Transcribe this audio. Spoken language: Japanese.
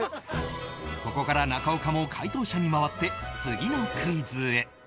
ここから中岡も解答者に回って次のクイズへ